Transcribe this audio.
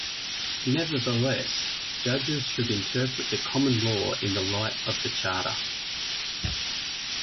Nevertheless, judges should interpret the common law in the light of the Charter.